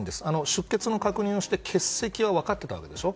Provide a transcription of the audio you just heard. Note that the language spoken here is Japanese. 出欠の確認をして欠席は分かっていたわけでしょ。